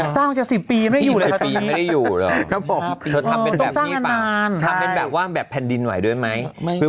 สร้างหรืออันกลุ่มวันแล้วอีก๑๐ปีไม่ได้อยู่หรอ